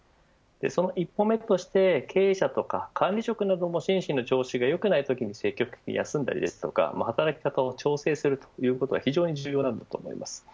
その１歩目として経営者とか管理職なども心身の調子が良くないときに積極的に休んだり働き方を調整したりすることは非常に重要だと思います。